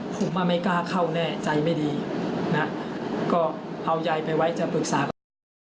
ผมไม่กล้าเข้าแน่ใจไม่ดีนะก็เอายายไปไว้จะปรึกษากับแม่